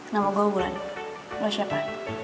nama gue ugu ran lo siapa